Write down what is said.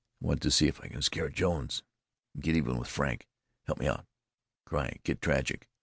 I want to see if I can scare Jones and get even with Frank. Help me out! Cry! Get tragic!"